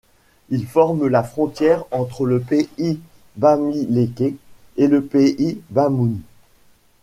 Il forme la frontière entre le pays Bamiléké et le pays Bamoun.